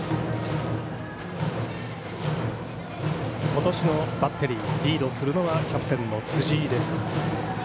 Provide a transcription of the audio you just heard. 今年のバッテリーリードするのはキャプテンの辻井。